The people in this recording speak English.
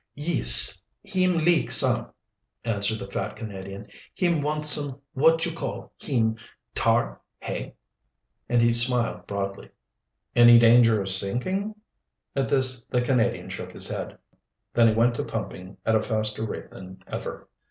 "Yees, heem leak some," answered the fat Canadian. "Heem want some what you call heem, tar; hey?" And he smiled broadly. "Any danger of sinking?" At this the Canadian shook his head. Then he went to pumping at a faster rate than ever.